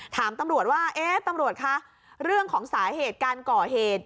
ถามตำรวจว่าเอ๊ะตำรวจคะเรื่องของสาเหตุการก่อเหตุ